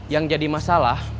yang jadi masalah